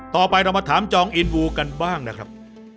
ต่อไปเรามาถามจองอินวูกันบ้างนะครับ